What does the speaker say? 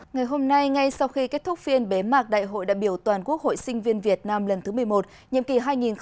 ngày hôm nay ngay sau khi kết thúc phiên bế mạc đại hội đại biểu toàn quốc hội sinh viên việt nam lần thứ một mươi một nhiệm kỳ hai nghìn một mươi chín hai nghìn hai mươi bốn